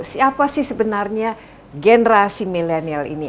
siapa sih sebenarnya generasi milenial ini